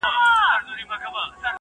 د متاهل لپاره مو تمثيلي خطبه جوړه کړې ده